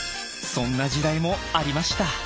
そんな時代もありました。